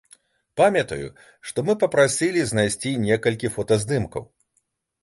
Памятаю, што мы папрасілі знайсці некалькі фотаздымкаў.